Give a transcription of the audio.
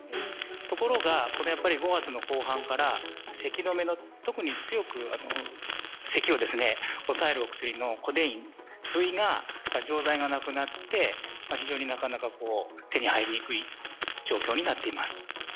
ところが５月の後半からせき止めの特に強くせきを抑えるお薬類の錠剤がなくなって、なかなか手に入りにくい状況になっています。